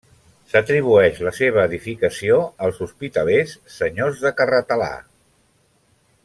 S’atribueix la seva edificació als hospitalers, senyors de Carratalà.